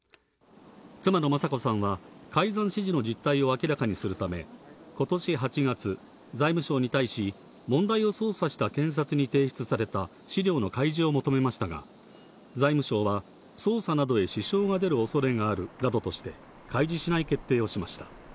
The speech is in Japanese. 妻の雅子さんは、改ざん指示の実態を明らかにするため、ことし８月、財務省に対し、問題を捜査した検察に提出された資料の開示を求めましたが、財務省は、捜査などへ支障が出るおそれがあるなどとして開示しない決定をしました。